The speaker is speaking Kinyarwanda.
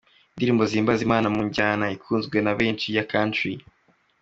indirimbo zihimbaza Imana mu njyana ikunzwe na benshi ya Country,.